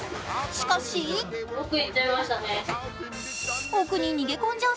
しかし奥に逃げ込んじゃう